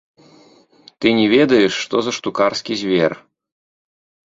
Ты не ведаеш, што за штукарскі звер.